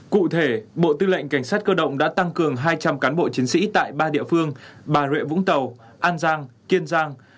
cụ thể bộ tư lệnh cảnh sát cơ động đã tăng cường hai trăm linh cán bộ chiến sĩ tại ba địa phương bà rịa vũng tàu an giang kiên giang